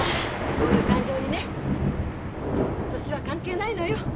こういう感情にね年は関係ないのよ！